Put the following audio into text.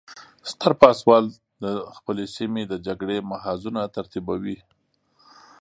ستر پاسوال د خپلې سیمې د جګړې محاذونه ترتیبوي.